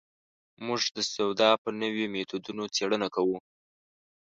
موږ د سودا په نویو مېتودونو څېړنه کوو.